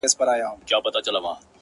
وخت پر ما ژاړي وخت له ما سره خبرې کوي!